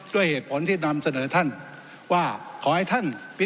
ด้วยเหตุผลที่นำเสนอท่าน